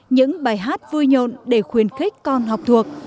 những bài hát vui nhộn để khuyến khích con học thuộc